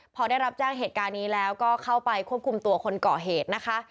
พอได้รับแจ้งเหตุการณ์นี้แล้วก็เข้าไปควบคุมตัวคนก่อเหตุนะคะ